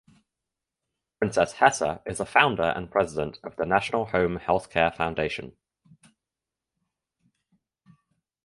Princess Hessa is the founder and president of the National Home Health Care Foundation.